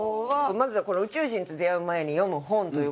まずはこの『宇宙人と出会う前に読む本』という事で。